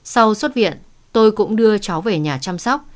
sau xuất viện tôi cũng đưa cháu về nhà chăm sóc